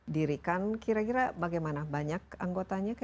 dirikan kira kira bagaimana banyak anggotanya